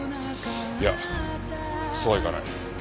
いやそうはいかない。